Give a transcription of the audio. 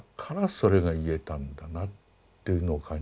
それが言えたんだなというのを感じてですね